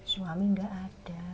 suami nggak ada